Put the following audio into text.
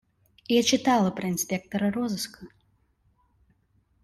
Я читала про инспектора розыска.